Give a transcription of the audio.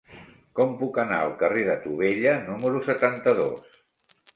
Com puc anar al carrer de Tubella número setanta-dos?